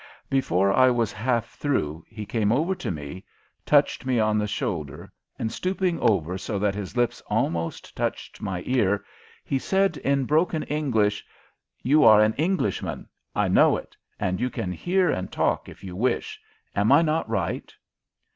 Before I was half through he came over to me, touched me on the shoulder, and, stooping over so that his lips almost touched my ear, he said, in broken English, "You are an Englishman I know it and you can hear and talk if you wish. Am I not right?"